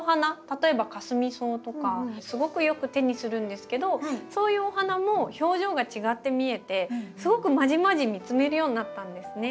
例えばカスミソウとかすごくよく手にするんですけどそういうお花も表情が違って見えてすごくまじまじ見つめるようになったんですね。